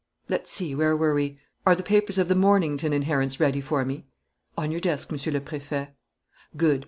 Let's see, where were we? Are the papers of the Mornington inheritance ready for me?" "On your desk, Monsieur le Préfet." "Good.